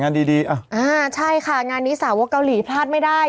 ดีดีอ่ะอ่าใช่ค่ะงานนี้สาวกเกาหลีพลาดไม่ได้